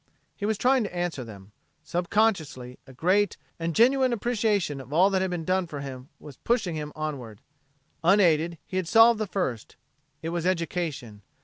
He was trying to answer them. Subconsciously, a great and a genuine appreciation of all that had been done for him was pushing him onward. Unaided, he had solved the first. It was education.